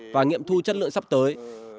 và nghiệm thu chất lượng sắp tới